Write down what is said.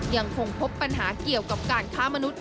ยังคงพบปัญหาเกี่ยวกับการค้ามนุษย